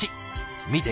見て！